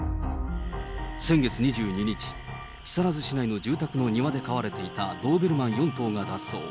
先月２２日、木更津市内の住宅の庭で飼われていたドーベルマン４頭が脱走。